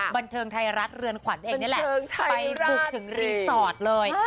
บันเทิงไทยรัฐเรือนขวัญเองนี่แหละไปบุกถึงรีสอร์ทเลย